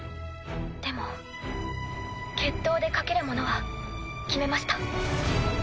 でも決闘で賭けるものは決めました。